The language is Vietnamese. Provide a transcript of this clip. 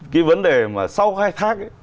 cái vấn đề mà sau khai thác